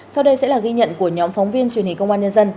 sau đây sẽ là ghi nhận của nhóm phóng viên truyền hình công an nhân dân